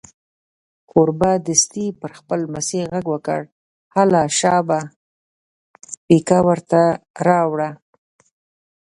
کوربه دستي پر خپل لمسي غږ وکړ: هله شابه پیکه ور ته راوړه.